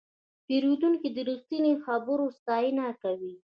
پیرودونکی د رښتیني خبرو ستاینه کوي.